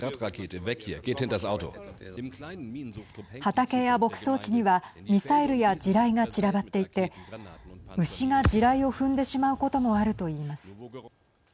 畑や牧草地にはミサイルや地雷が散らばっていて牛が地雷を踏んでしまうこともあるといいます。